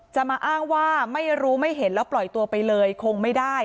จะมาอ้างว่าไม่รู้ไม่เห็นแล้วปล่อยตัวไปเลยคงไม่ได้